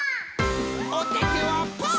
おててはパー！